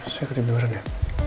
saya ketiduran ya